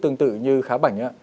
tương tự như khá bảnh ạ